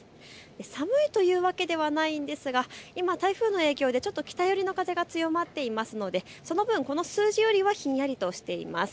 寒いというわけではないんですが今、台風の影響でちょっと北寄りの風が強まっていますのでその分、この数字よりはひんやりとしています。